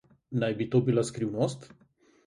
Naj bi to bila skrivnost?